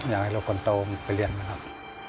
อยากให้ลูกคนโตไปเรียนนะครับ